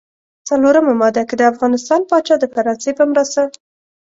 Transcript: څلورمه ماده: که د افغانستان پاچا د فرانسې په مرسته.